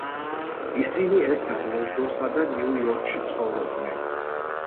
ისინი ერთად ლონდონსა და ნიუ-იორკში ცხოვრობდნენ.